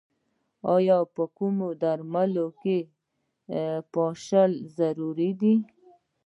آیا په ګدام کې درمل پاشل ضروري دي؟